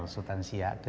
sultan siak ke sembilan